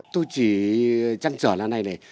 tôi chỉ trăn trở là này này